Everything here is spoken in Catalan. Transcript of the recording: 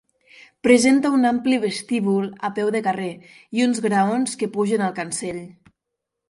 Presenta un ampli vestíbul a peu de carrer i uns graons que pugen al cancell.